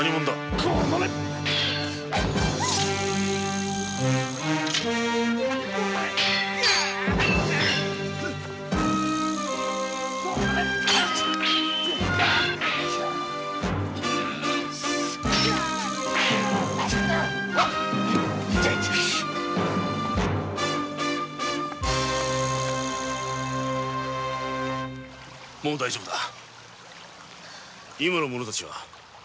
もう大丈夫今の者たちは？